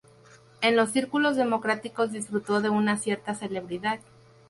En los círculos democráticos disfrutó de una cierta celebridad.